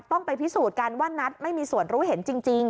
ต้องไปพิสูจน์กันว่านัทไม่มีส่วนรู้เห็นจริง